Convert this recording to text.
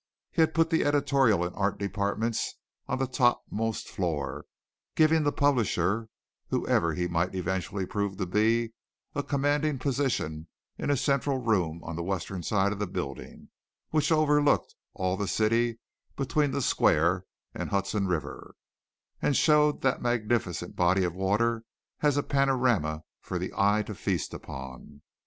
He had put the editorial and art departments on the topmost floor, giving the publisher, whoever he might eventually prove to be, a commanding position in a central room on the western side of the building which overlooked all the city between the Square and Hudson River, and showed that magnificent body of water as a panorama for the eye to feast upon.